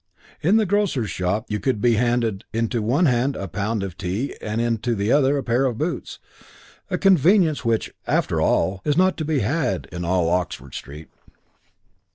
In the grocer's shop you could be handed into one hand a pound of tea and into the other a pair of boots, a convenience which, after all, is not to be had in all Oxford Street.